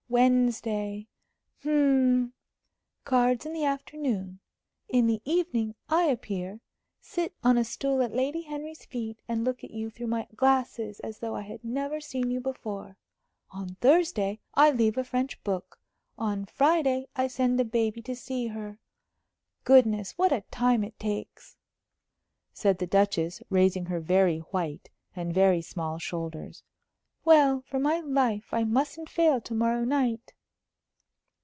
Wednesday. Hm cards in the afternoon; in the evening I appear, sit on a stool at Lady Henry's feet, and look at you through my glasses as though I had never seen you before. On Thursday I leave a French book; on Friday I send the baby to see her. Goodness, what a time it takes!" said the Duchess, raising her very white and very small shoulders. "Well, for my life, I mustn't fail to morrow night."